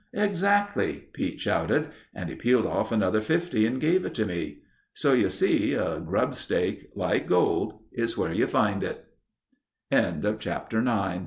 "'Exactly,' Pete shouted, and he peeled off another fifty and gave it to me. So, you see, a grubstake, like gold, is where you find it." Chapter X Gr